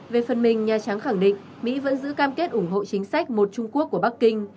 về phần mình nhà trắng khẳng định mỹ vẫn giữ cam kết ủng hộ chính sách một trung quốc của bắc kinh